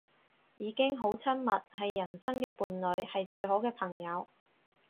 已經好親密，係人生嘅伴侶，係最好嘅朋友